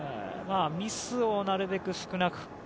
ミスをなるべく少なく。